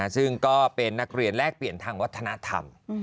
ซึ่งก็เป็นนักเรียนแลกเปลี่ยนทางวัฒนธรรม